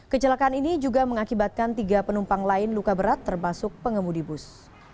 kecelakaan ini juga mengakibatkan tiga penumpang lain luka berat termasuk pengemudi bus